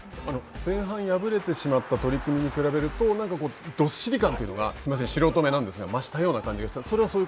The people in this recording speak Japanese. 前半敗れてしまった取組に比べるとなんかこうどっしり感というか素人目なんですが増したような感じが。